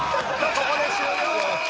ここで終了！